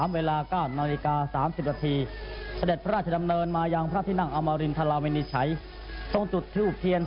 วันที่๕พฤษภาคม๒๔๙๓เวลา๙นาฬิกา๓๐นาที